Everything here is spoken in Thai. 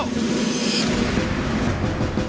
ไป